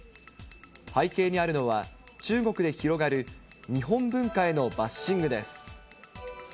背景にあるのは、中国で広がる日本文化へのバッシングです。